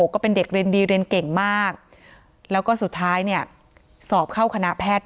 ก็เป็นเด็กเรียนดีเรียนเก่งมากแล้วก็สุดท้ายเนี่ยสอบเข้าคณะแพทย์